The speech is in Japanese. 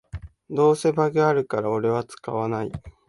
どうせバグあるからオレは使わない